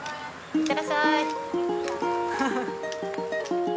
いってらっしゃい！